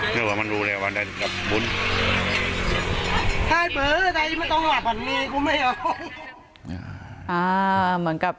เหมือนกับ